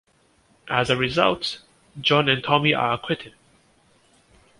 As a result, John and Tommy are acquitted.